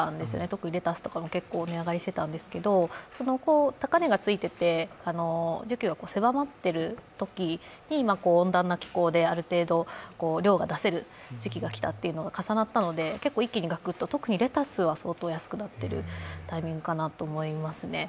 特にレタスとかも結構値上がりしていたんですけど高値がついていて、需給が狭まっているときに温暖な気候である程度量が出せる時期が来たというのが重なったので、結構一気にがくっと、特にレタスは相当安くなっているタイミングかなと思いますね。